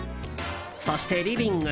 そして、リビング。